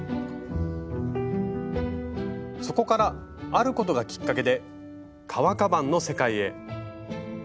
そこからあることがきっかけで革カバンの世界へ。